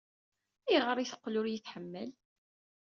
Ayɣer ay teqqel ur iyi-tḥemmel?